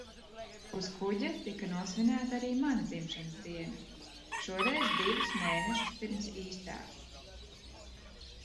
Uz kuģa tika nosvinēta arī mana dzimšanas diena, šoreiz divus mēnešus pirms īstās.